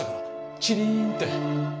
チリーンって？